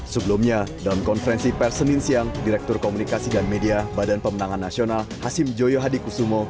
sebelumnya dalam konferensi per senin siang direktur komunikasi dan media badan pemenangan nasional hasim joyo hadi kusumo